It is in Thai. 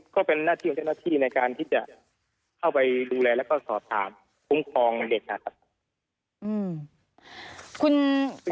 ก็เป็นหน้าที่ของเจ้าหน้าที่ในการที่จะเข้าไปดูแลแล้วก็สอบถามคุ้มครองเด็กนะครับ